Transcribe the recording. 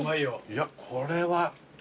いやこれは。